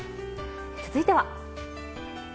続いては。